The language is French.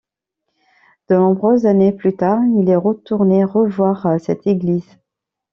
De nombreuses années plus tard, il est retourné revoir cette église.